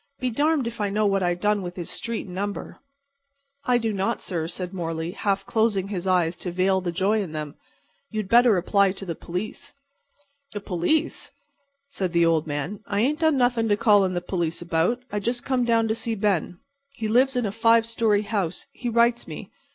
Be darned if I know what I done with his street and number." "I do not, sir," said Morley, half closing his eyes to veil the joy in them. "You had better apply to the police." "The police!" said the old man. "I ain't done nothin' to call in the police about. I just come down to see Ben. He lives in a five story house, he writes me.